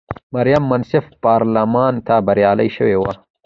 مریم منصف پارلمان ته بریالی شوې وه.